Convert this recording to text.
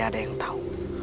ada yang tahu